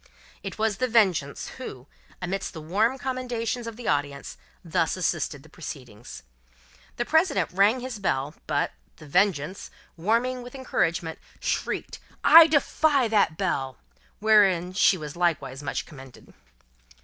It was The Vengeance who, amidst the warm commendations of the audience, thus assisted the proceedings. The President rang his bell; but, The Vengeance, warming with encouragement, shrieked, "I defy that bell!" wherein she was likewise much commended.